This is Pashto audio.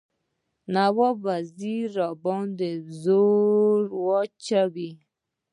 نواب وزیر باندي زور واچوي.